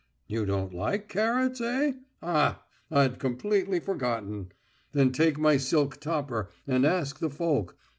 You don't like carrots, eh? Ah, I'd completely forgotten. Then take my silk topper and ask the folk.